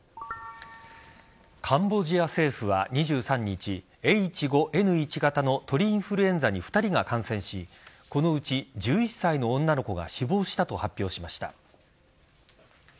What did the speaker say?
カンボジア政府は、２３日Ｈ５Ｎ１型の鳥インフルエンザに２人が感染しこのうち１１歳の女の子が死亡したと発表しました。